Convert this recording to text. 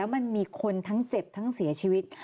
มันมีคนทั้งเจ็บทั้งเสียชีวิต